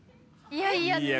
いやいや。